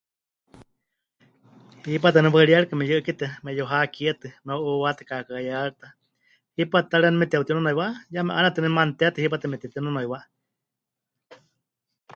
Hipátɨ waníu waɨríyarika mepɨyu'ɨ́kitɨa, meyuhakíetɨ, meu'uuwatɨ kaakaɨyarita, hipátɨ ta ri waníu meteutinunuiwá, ya me'ánenetɨ waníu me'anutetɨ hipátɨ metetinunuiwá.